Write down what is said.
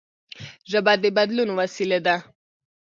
ژبه د بدلون وسیله ده.